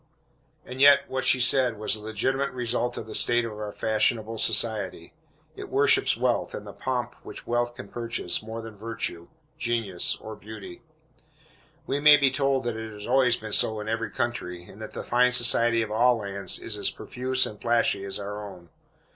And yet what she said was the legitimate result of the state of our fashionable society. It worships wealth, and the pomp which wealth can purchase, more than virtue, genius or beauty. We may be told that it has always been so in every country, and that the fine society of all lands is as profuse and flashy as our own.